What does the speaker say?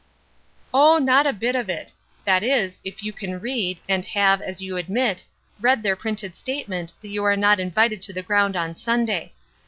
"Oh, not a bit of it; that is, if you can read, and have, as you admit, read their printed statement that you are not invited to the ground on Sunday.